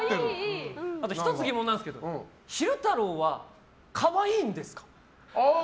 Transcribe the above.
あと１つ疑問なんですけど昼太郎は可愛いんですか？